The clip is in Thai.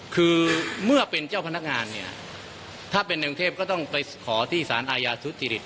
คือเมื่อเป็นเจ้าพนักงานถ้าเป็นธนาคมเทพก็ต้องไปขอที่ศาลอายาสุธิฤทธิ์